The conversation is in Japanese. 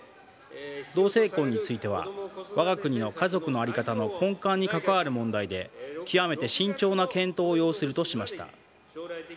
同性婚についてはわが国の家族の在り方の根幹に関わる問題で極めて慎重な検討を要するとしました。